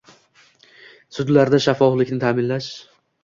Sudlarda shaffoflikni ta'minlash